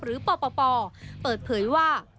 หรือป่อเปิดเผยว่า